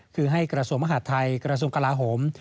คือให้กระทรวงมหาดไทยกระทรวงกลาโหม